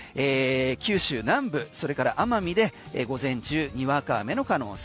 九州南部それから奄美で午前中にわか雨の可能性。